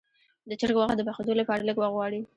د چرګ غوښه د پخېدو لپاره لږ وخت غواړي.